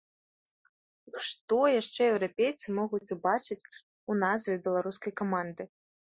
Што яшчэ еўрапейцы могуць убачыць у назве беларускай каманды?